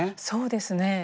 そうですね。